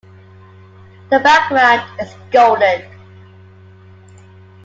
The background is golden.